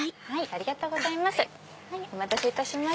ありがとうございます！